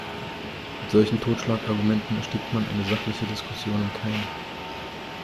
Mit solchen Totschlagargumenten erstickt man eine sachliche Diskussion im Keim.